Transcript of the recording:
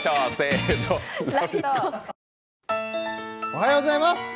おはようございます